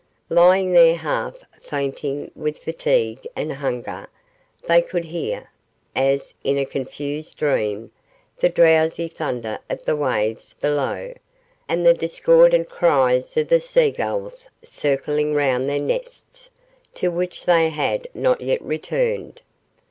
Lying there half fainting with fatigue and hunger, they could hear, as in a confused dream, the drowsy thunder of the waves below, and the discordant cries of the sea gulls circling round their nests, to which they had not yet returned.